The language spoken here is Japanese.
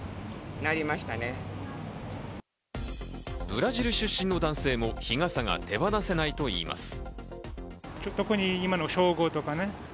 ブラジル出身の男性も日傘が手放せないといいます。